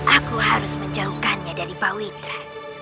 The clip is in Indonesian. aku harus menjauhkannya dari paweka